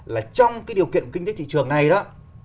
là trong cái điều kiện kinh tế thị trường này đó